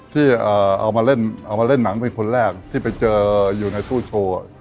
ที่เอามาเล่นเอามาเล่นหนังเป็นคนแรกที่ไปเจออยู่ในตู้โชว์